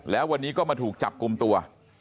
แล้ววันนี้ก็มาถูกจับกลุ่มตัว